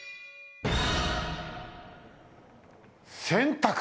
洗濯。